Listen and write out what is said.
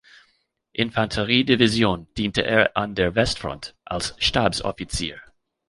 Infanterie-Division diente er an der Westfront als Stabsoffizier.